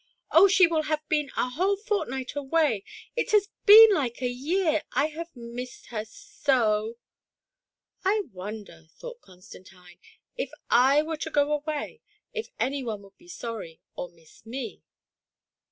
"Oh, she will have been a whole fortnight away ! It has been like a year — I have missed her so!" " I wonder," thought Constantine, " if I were to go away, if any one would be sorry, or miss me."